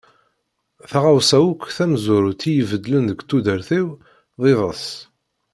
Taɣawsa akk tamezwarut i ibeddlen deg tudert-iw d iḍes.